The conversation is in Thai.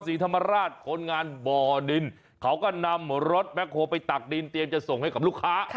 ศรีธรรมราชคนงานบ่อดินเขาก็นำรถแบ็คโฮลไปตักดินเตรียมจะส่งให้กับลูกค้า